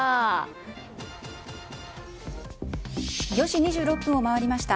４時２６分を回りました。